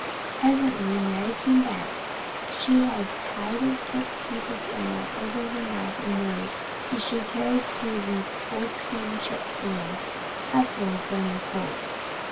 Presently Mary came back. She had tied a piece of thick flannel over her mouth and nose, and she carried Susan's old tin chip pan, half full of burning coals.